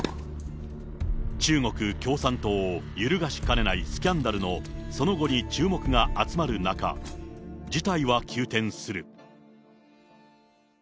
中国共産党を揺るがしかねないスキャンダルのその後に注目が集まる中、事態は急転する。